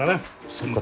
そっか。